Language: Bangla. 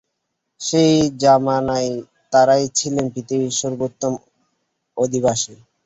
সেই যামানায় তারাই ছিলেন পৃথিবীর সর্বোত্তম অধিবাসী।